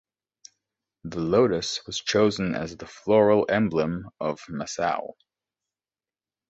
The lotus was chosen as the floral emblem of Macau.